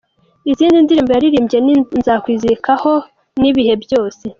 Izindi ndirimbo yaririmbye ni ‘Nzakwizirikaho’ na ‘Ibihe byose’.